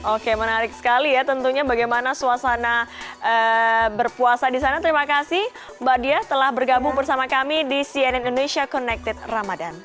oke menarik sekali ya tentunya bagaimana suasana berpuasa di sana terima kasih mbak diah telah bergabung bersama kami di cnn indonesia connected ramadan